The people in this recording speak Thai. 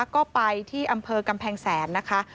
ก็ไปที่อำเภอกำแพงแสนนะคะ